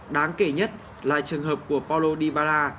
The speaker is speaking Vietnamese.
đáng kể nhất là trường hợp của paulo dybala